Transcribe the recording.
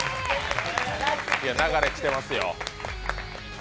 流れが来てますよ。